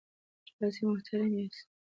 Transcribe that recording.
تاسې محترم یاست.